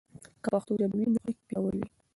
که پښتو ژبه وي، نو اړیکې پياوړي وي.